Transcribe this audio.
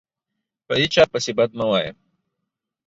په هیچا پسي بد مه وایه